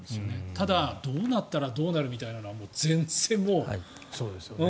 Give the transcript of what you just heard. ただ、どうなったらどうなるみたいなのは全然もう。